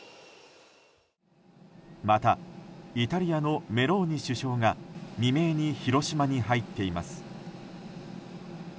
また、イタリアのメローニ首相が未明に広島に入っています。